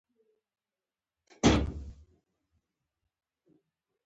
په منځنۍ توګه د یو بالغ شخص د هډوکو شمېر شاوخوا دی.